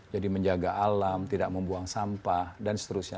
jadi menjaga alam tidak membuang sampah dan seterusnya